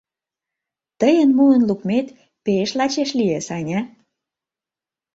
Тыйын муын лукмет пеш лачяеш лие, Саня...